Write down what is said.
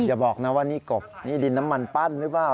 อย่าบอกนะว่านี่กบนี่ดินน้ำมันปั้นหรือเปล่า